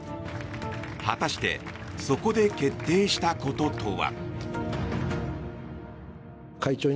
果たしてそこで決定したこととは。